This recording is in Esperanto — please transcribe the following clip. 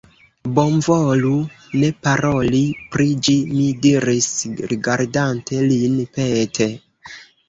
Bonvolu ne paroli pri ĝi, mi diris, rigardante lin pete.